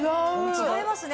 違いますね